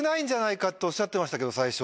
おっしゃってましたけど。